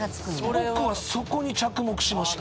僕はそこに着目しました。